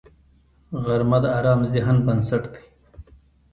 غرمه د ارام ذهن بنسټ دی